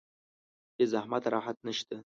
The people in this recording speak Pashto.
بې زحمته راحت نشته.